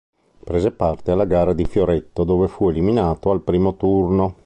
Prese parte alla gara di fioretto dove fu eliminato al primo turno.